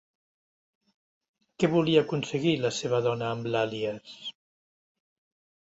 Què volia aconseguir la seva dona amb l'àlies?